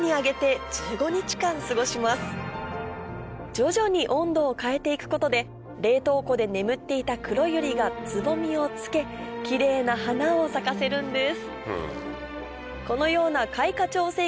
徐々に温度を変えていくことで冷凍庫で眠っていたクロユリがつぼみをつけキレイな花を咲かせるんです